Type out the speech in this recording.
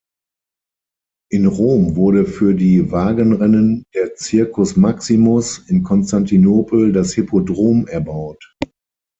In Rom wurde für die Wagenrennen der Circus Maximus, in Konstantinopel das Hippodrom erbaut.